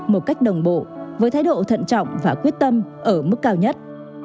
một cách đồng bộ với thái độ thận trọng và quyết tâm ở mức cao nhất